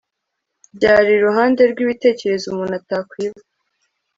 Byari iruhande rwibitekerezo umuntu atakwiba